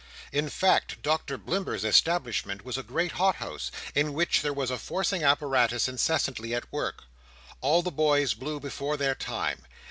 In fact, Doctor Blimber's establishment was a great hot house, in which there was a forcing apparatus incessantly at work. All the boys blew before their time.